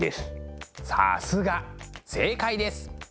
さすが正解です。